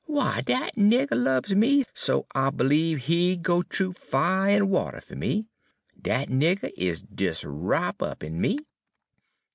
'W'y, dat nigger lubs me so I b'liebe he 'd go th'oo fire en water fer me. Dat nigger is des wrop' up in me.'